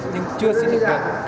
nhưng chưa xin được được